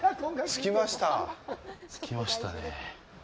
着きましたねえ。